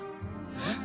えっ？